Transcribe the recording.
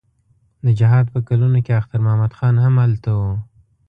د جهاد په کلونو کې اختر محمد خان هم هلته و.